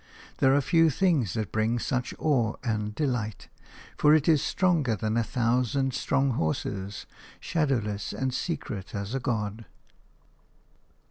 There are few things that bring such awe and delight; for it is stronger than a thousand strong horses, shadowless and secret as a god.